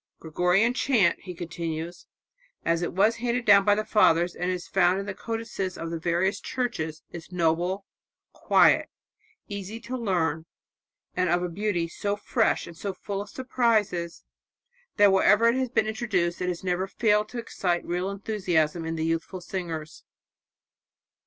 Gregorian chant," he continues, "as it was handed down by the Fathers and is found in the codices of the various churches, is noble, quiet, easy to learn, and of a beauty so fresh and full of surprises that wherever it has been introduced it has never failed to excite real enthusiasm in the youthful singers."